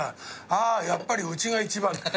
「あやっぱりうちが一番」って。